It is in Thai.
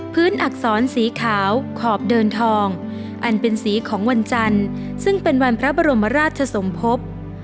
อักษรสีขาวขอบเดินทองอันเป็นสีของวันจันทร์ซึ่งเป็นวันพระบรมราชสมภพ